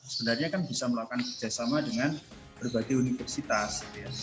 sebenarnya kan bisa melakukan kerjasama dengan berbagai universitas